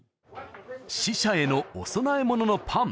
死者へのお供え物のパン